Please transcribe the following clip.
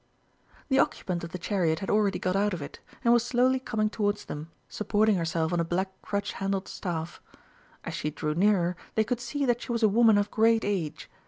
The occupant of the chariot had already got out of it, and was slowly coming towards them, supporting herself on a black crutch handled staff. As she drew nearer they could see that she was a woman of great age.